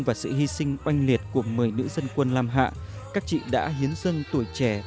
và sự hy sinh oanh liệt của một mươi nữ dân quân lam hạ các chị đã hiến dâng tuổi trẻ